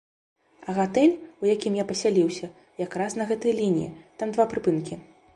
А гатэль, у якім я пасяліўся, як раз на гэтай лініі, там два прыпынкі.